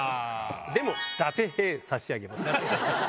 でもダテ兵差し上げます。